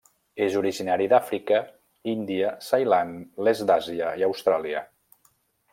És originari d'Àfrica, Índia, Ceilan, l'est d'Àsia i Austràlia.